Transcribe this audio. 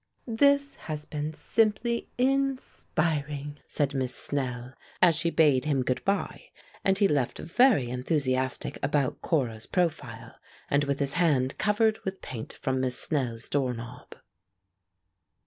"This has been simply in spiring!" said Miss Snell, as she bade him good bye, and he left very enthusiastic about Cora's profile, and with his hand covered with paint from Miss Snell's door knob.